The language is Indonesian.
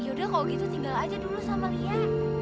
yaudah kalau gitu tinggal aja dulu sama lia